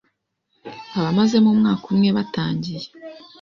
abamazemo umwaka umwe batangiye